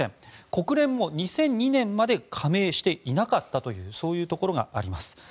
国連も２００２年まで加盟していなかったというそういうところがあります。